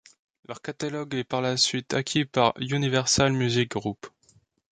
Leur catalogue est par la suite acquis par Universal Music Group.